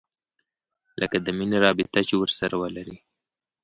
لکه د مينې رابطه چې ورسره ولري.